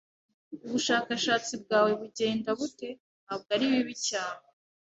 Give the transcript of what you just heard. "Ubushakashatsi bwawe bugenda bute?" "Ntabwo ari bibi cyane."